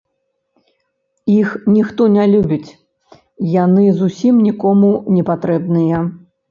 Іх ніхто не любіць, яны зусім нікому не патрэбныя.